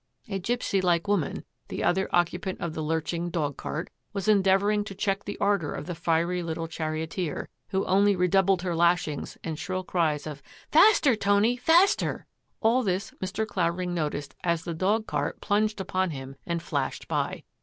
A gipsy like woman, the other occupant of the lurching dog cart, was endeavouring to check the ardour of the fiery little charioteer, who only re doubled her lashings and shrill cries of, " Faster, Tony, faster !" All this Mr. Clavering noticed as the dog cart plunged upon him and flashed by.